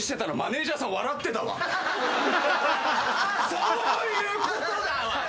そういうことだわ。